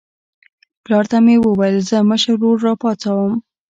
پلار ته مې وویل زه مشر ورور راپاڅوم.